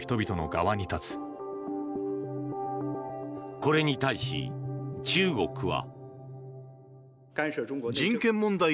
これに対し中国は。